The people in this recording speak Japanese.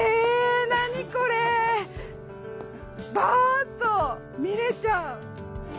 バーッと見れちゃう！